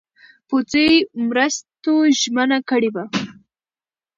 پوځي مرستو ژمنه کړې وه.